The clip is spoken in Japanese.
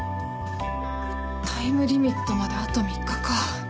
タイムリミットまであと３日か。